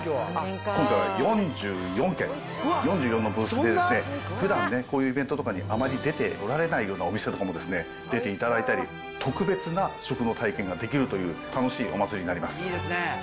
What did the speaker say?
今回は４４軒、４４のブースで、ふだんこういうイベントとかにあまり出ておられていないようなお店とかにも出ていただいたり、特別な食の体験ができるという楽しいお祭りになります。